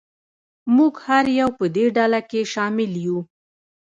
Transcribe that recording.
موږ هر یو په دې ډله کې شامل یو.